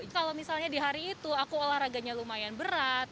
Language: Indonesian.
kalau misalnya di hari itu aku olahraganya lumayan berat